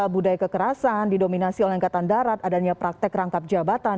budaya kekerasan didominasi oleh angkatan darat adanya praktek rangkap jabatan